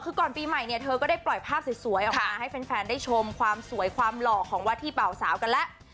คือก่อนปีใหม่เนี่ยเธอก็ได้ปล่อยภาพสวยออกมาให้แฟนได้ชมความสวยความหล่อของวัดที่เบาสาวกันแล้ว